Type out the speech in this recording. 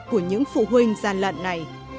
của những phụ huynh gian lận này